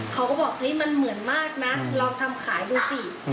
เขาก็บอกเฮ้ยมันเหมือนมากนะลองทำขายดูสิ